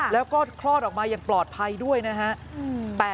แล้วก็คลอดออกมาอย่างปลอดภัยด้วยนะฮะ